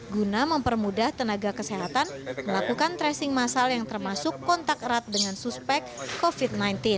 guna mempermudah tenaga kesehatan melakukan tracing masal yang termasuk kontak erat dengan suspek covid sembilan belas